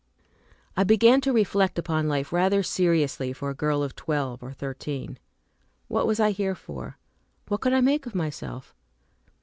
I began to reflect upon life rather seriously for a girl of twelve or thirteen. What was I here for? What could I make of myself?